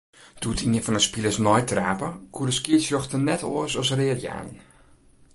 Doe't ien fan 'e spilers neitrape, koe de skiedsrjochter net oars as read jaan.